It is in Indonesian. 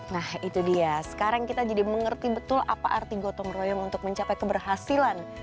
nah itu dia sekarang kita jadi mengerti betul apa arti gotong royong untuk mencapai keberhasilan